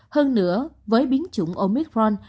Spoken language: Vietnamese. hơn nữa với biến chủng omicron